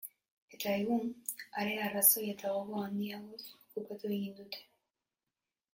Eta egun, are arrazoi eta gogo handiagoz, okupatu egin dute.